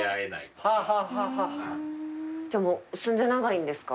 じゃあもう住んで長いんですか？